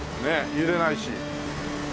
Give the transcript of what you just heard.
揺れないし。